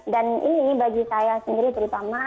dan ini bagi saya sendiri terutama